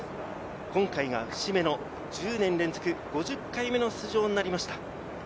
今回が節目の１０年連続５０回目の出場になりました。